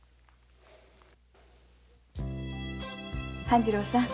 半次郎さん